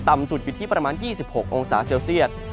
สุดอยู่ที่ประมาณ๒๖องศาเซลเซียต